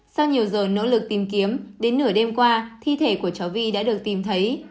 sau nhiều giờ nỗ lực tìm kiếm đến nửa đêm qua thi thể của cháu vi đã được tìm thấy